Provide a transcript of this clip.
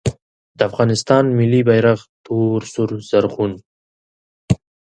د افغانستان ملي بیرغ تور سور زرغون